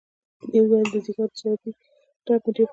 ده وویل د ځګر د چړې ټپ مې ډېر خوږېږي.